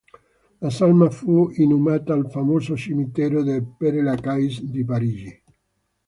La salma fu inumata al famoso cimitero del Père-Lachaise di Parigi.